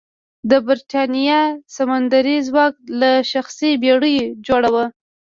د برېتانیا سمندري ځواک له شخصي بېړیو جوړه وه.